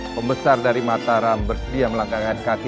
pembesar dari mataram bersedia melangkahkan kaki